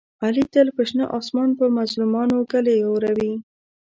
علي تل په شنه اسمان په مظلومانو ږلۍ اوروي.